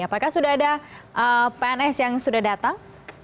apakah sudah ada pns yang sudah datang